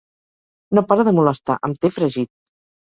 No para de molestar: em té fregit.